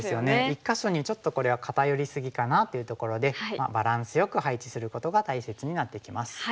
１か所にちょっとこれは片寄り過ぎかなというところでバランスよく配置することが大切になってきます。